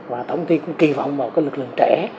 và tổng thị cũng kỳ vọng vào cái lực lượng trẻ